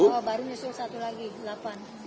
oh baru nyusul satu lagi delapan